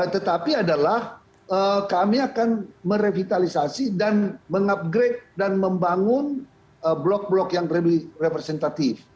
tetapi adalah kami akan merevitalisasi dan mengupgrade dan membangun blok blok yang representatif